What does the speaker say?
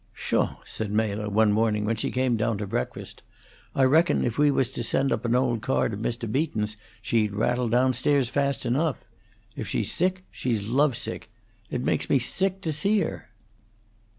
"Pshaw!" said Mela, one morning when she came to breakfast, "I reckon if we was to send up an old card of Mr. Beaton's she'd rattle down stairs fast enough. If she's sick, she's love sick. It makes me sick to see her."